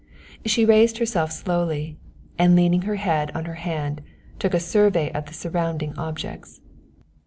She raised herself slowly, and leaning her head on her hand, took a survey of the surrounding objects.